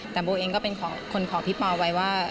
แต่โบเองก็เป็นคนของพี่ปอไว้ว่า